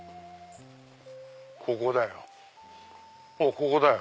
ここだよ。